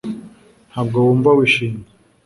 ntabwo wumva wishimye